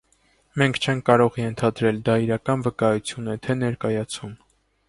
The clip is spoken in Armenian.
Մենք չենք կարող ենթադրել՝ դա իրական վկայություն է, թե ներկայացում։